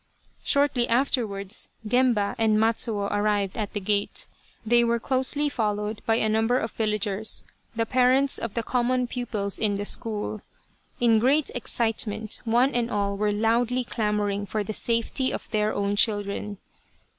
Shortly afterwards Gemba and Matsuo arrived at the gate. They were closely followed by a number of villagers, the parents of the common pupils in the 202 Loyal, Even Unto Death school. In great excitement, one and all were loudly clamouring for the safety of their own children.